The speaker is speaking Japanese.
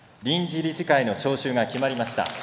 臨時理事会の招集が決まりました。